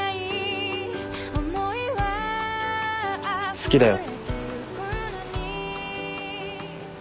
好きだよ。